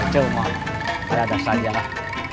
jelma saya ada saja lah